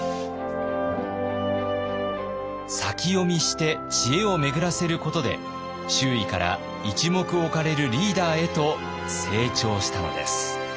先読みして知恵を巡らせることで周囲から一目置かれるリーダーへと成長したのです。